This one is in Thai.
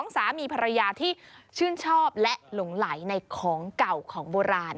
สามีภรรยาที่ชื่นชอบและหลงไหลในของเก่าของโบราณ